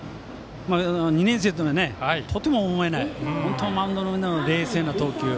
２年生とは、とても思えない本当マウンドの上で冷静な投球。